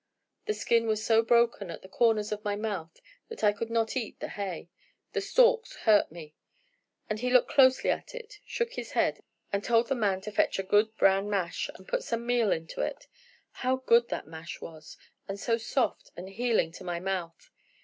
The skin was so broken at the corners of my mouth that I could not eat the hay; the stalks hurt me. He looked closely at it, shook his head, and told the man to fetch a good bran mash and put some meal into it. How good that mash was! and so soft and healing to my mouth.